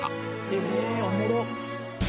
ええおもろっ！